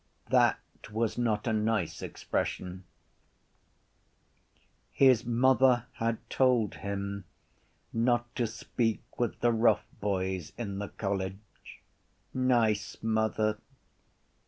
That was not a nice expression. His mother had told him not to speak with the rough boys in the college. Nice mother!